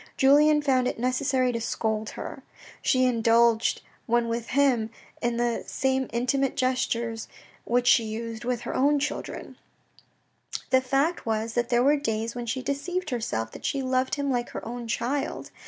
Julien found it necessary to scold her. She indulged when with him in the same intimate gestures which she used with her own children. The fact was that there were days when she deceived herself that she loved him like her own child.